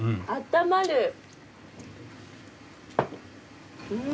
あったまる。